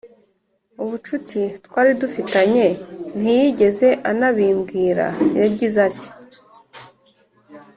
ubucuti twari dufitanye ntiyigeze anabimbwira Yagize atya